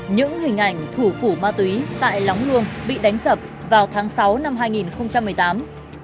những hình ảnh thủ phủ ma túy tại lóng luông bị đánh sập vào tháng sáu năm hai nghìn một mươi tám